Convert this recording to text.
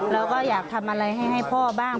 เราก็อยากทำอะไรให้พ่อบ้าง